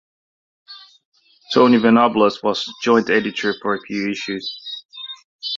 Tony Venables was joint editor for a few issues.